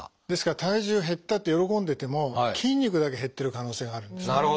ですから体重減ったって喜んでても筋肉だけ減ってる可能性があるんですね。